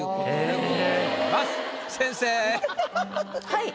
はい。